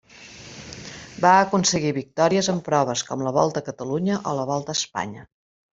Va aconseguir victòries en proves com la Volta a Catalunya o la Volta a Espanya.